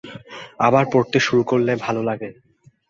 আবার পড়তে শুরু করলে ভালো লাগে।